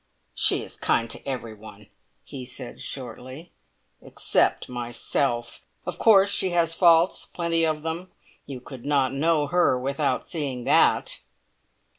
"She is kind to everyone," he said shortly, "except myself! Of course she has faults! Plenty of them. You could not know her without seeing that."